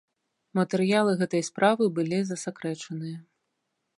Матэрыялы гэтай справы былі засакрэчаныя.